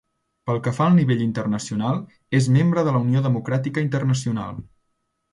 Pel que fa al nivell internacional, és membre de la Unió democràtica internacional.